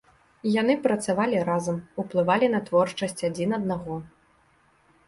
Яны працавалі разам, уплывалі на творчасць адзін аднаго.